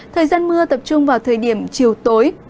thời gian mưa tập trung vào thời điểm chiều tối